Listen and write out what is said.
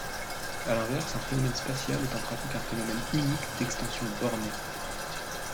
À l'inverse, un phénomène spatial est en pratique un phénomène unique d'extension bornée.